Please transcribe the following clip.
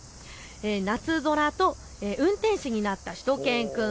夏空と運転士になったしゅと犬くん。